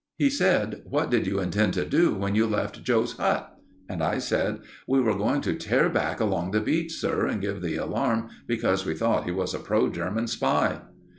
He said: "What did you intend to do when you left Joe's hut?" And I said: "We were going to tear back along the beach, sir, and give the alarm, because we thought he was a pro German spy."